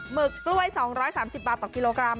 หึกกล้วย๒๓๐บาทต่อกิโลกรัม